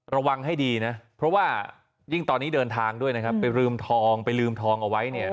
ระวังให้ดีเพราะว่ายิ่งตอนนี้เดินทางด้วยไปลืมทองไปลืมทองเอาไว้